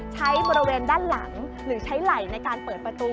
ใช้บริเวณด้านหลังหรือใช้ไหล่ในการเปิดประตู